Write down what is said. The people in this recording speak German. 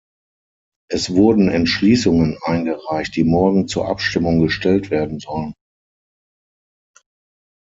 Es wurden Entschließungen eingereicht, die morgen zur Abstimmung gestellt werden sollen.